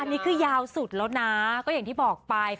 อันนี้คือยาวสุดแล้วนะก็อย่างที่บอกไป